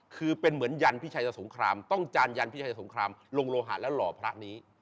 คือเป็นเหมือนยันพิชัยจะสงครามต้องจานยันพิชัยสงครามลงโลหะแล้วหล่อพระนี้